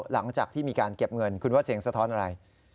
หลังจากที่มีการเก็บเงินคุณว่าเสียงสะท้อนอะไร